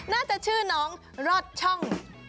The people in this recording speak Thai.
น่าจะชื่อน้องรอดช่อง